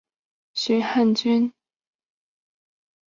寻擢汉军梅勒额真。